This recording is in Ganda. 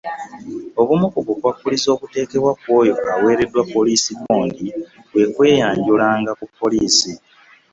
Obumu ku bukwakulizo obuteekebwa ku oyo awereddwa poliisi bond kwe kweyanjulanga ku poliisi.